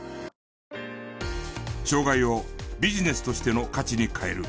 障がいをビジネスとしての価値に変える